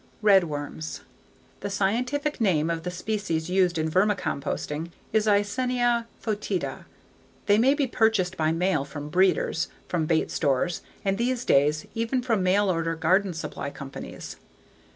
Redworms The scientific name of the species used in vermicomposting is Eisenia foetida. They may be purchased by mail from breeders, from bait stores, and these days, even from mail order garden supply companies.